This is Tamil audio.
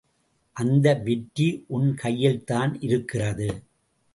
அந்த வெற்றி உன் கையில்தான் இருக்கிறது.